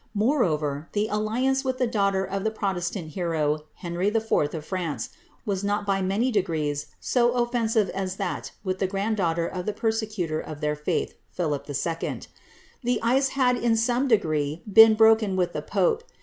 Moreover, the alliance with the daughter of the protestant hero, Henry IV. of France, was not by many degrees so offensive as that with the granddaughter of the persecutor of their faith, Philip II. The ice had in some degree been broken with the pope.